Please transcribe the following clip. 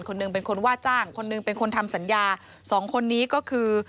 หนึ่งเป็นคนว่าจ้างคนหนึ่งเป็นคนทำสัญญาสองคนนี้ก็คือ